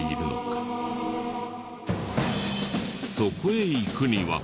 そこへ行くには。